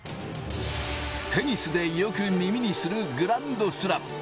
テニスでよく耳にするグランドスラム。